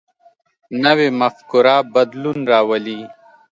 نوی مفکوره بدلون راولي